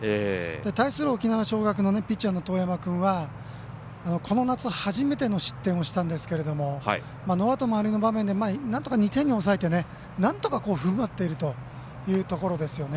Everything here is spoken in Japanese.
対する沖縄尚学のピッチャーの當山君はこの夏、初めての失点をしたんですがノーアウト満塁の場面で２点に抑えてなんとか踏ん張っているというところですね。